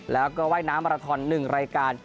แล้วก็ว่ายน้ำมาราทอน๑รายการ